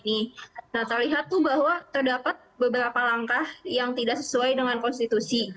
nah terlihat tuh bahwa terdapat beberapa langkah yang tidak sesuai dengan konstitusi